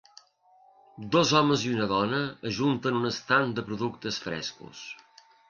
Dos homes i una dona ajunten un estand de productes frescos.